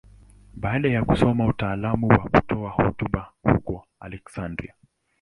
Baada ya kusoma utaalamu wa kutoa hotuba huko Aleksandria.